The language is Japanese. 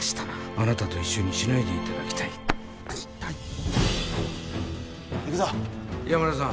あなたと一緒にしないでいただきたい行くぞ岩村さん